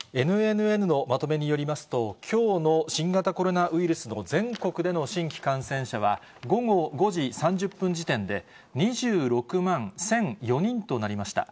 ＮＮＮのまとめによりますと、きょうの新型コロナウイルスの全国での新規感染者は、午後５時３０分時点で、２６万１００４人となりました。